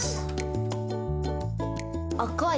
赤い。